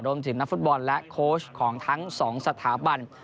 รวมถึงนักฟุตบอลและโค้ชของทั้ง๒สถาบัน